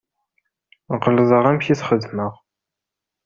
Ɣelḍeɣ amek i txedmeɣ.